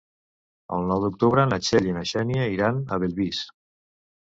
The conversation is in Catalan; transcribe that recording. El nou d'octubre na Txell i na Xènia iran a Bellvís.